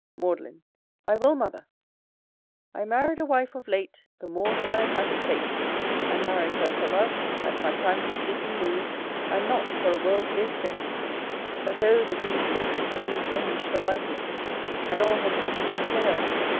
Maudlin. I will, mother. I married a wife of late, The more's my unhappy fate: I married her for love, As my fancy did me move, And not for a worldly estate: But oh! the green sickness Soon changed her likeness; And all her beauty did fail.